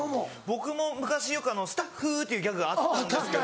僕も昔よく「スタッフ！」っていうギャグがあったんですけど。